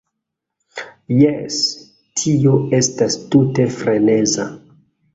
Jes, tio estas tute freneza.